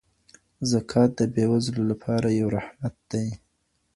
زکات د بې وزلو لپاره یو رحمت دی.